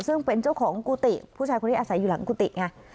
ซึ่งเป็นเจ้าของกุฏิผู้ชายคนนี้อาศัยอยู่หลังกุฏิไง